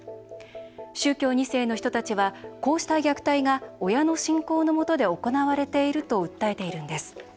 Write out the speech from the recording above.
宗教２世の人たちはこうした虐待が親の信仰のもとで行われていると訴えているんです。